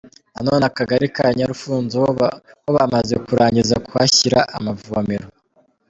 Nanone akagari ka nyarufunzo ho bamaze kurangiza kuhashyira amavomero.